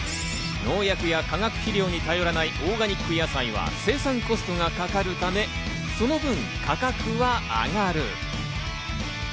農薬や化学肥料などに頼らないオーガニック野菜は生産コストがかかるため、その分、価格は上がる。